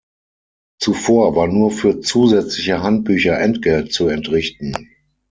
Zuvor war nur für zusätzliche Handbücher Entgelt zu entrichten.